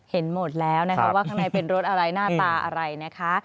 เห็นหมดแล้วนะคะว่าข้างในเป็นรถอะไรหน้าตาอะไรนะคะ